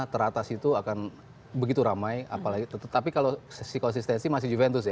teratas itu akan begitu ramai apalagi tetapi kalau sisi konsistensi masih juventus ya